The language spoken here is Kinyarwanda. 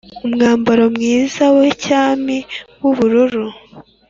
Umwambaro mwiza wa cyami w ubururu